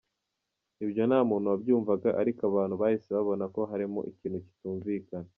Ibyo nta muntu wabyumvaga, ariko abantu bahise babona ko harimo ikintu kitumvikana!